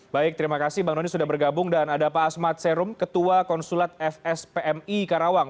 baik terima kasih bang doni sudah bergabung dan ada pak asmat serum ketua konsulat fspmi karawang